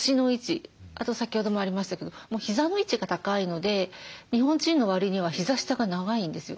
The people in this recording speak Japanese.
あと先ほどもありましたけどもう膝の位置が高いので日本人のわりには膝下が長いんですよ。